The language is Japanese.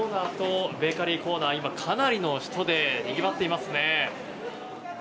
コーナーとベーカリーコーナー、今かなりの人で賑わっていますね。